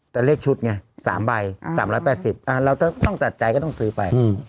แต่เลขชุดไงสามใบอืมสามร้อยแปดสิบอ่าเราต้องตัดใจก็ต้องซื้อไปอืม